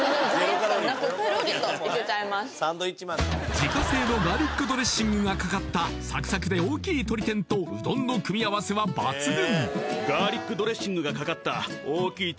自家製のガーリックドレッシングがかかったサクサクで大きいとり天とうどんの組み合わせは抜群！